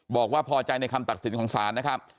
บอกว่าพอใจในคำตัดสินของศาลนะครับ